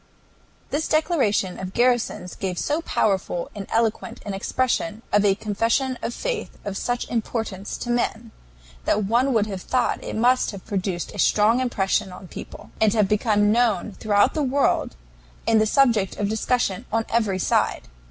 This declaration of Garrison's gave so powerful and eloquent an expression of a confession of faith of such importance to men, that one would have thought it must have produced a strong impression on people, and have become known throughout the world and the subject of discussion on every side.